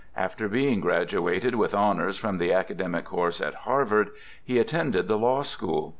After being graduated with honors from the academic course at Harvard, he attended the law school.